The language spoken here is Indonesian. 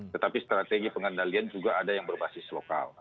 tetapi strategi pengendalian juga ada yang berbasis lokal